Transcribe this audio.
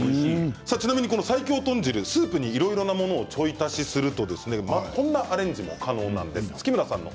この最強豚汁スープにいろいろなものを、ちょい足しするとこんなアレンジも可能なんです。